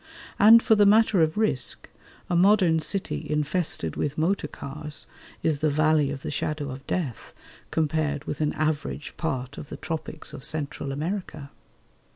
And for the matter of risk, a modern city infested with motor cars is the "valley of the shadow of death" compared with an average part of the tropics of Central America.